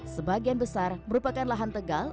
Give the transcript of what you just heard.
sebagian besar merupakan lahan tegal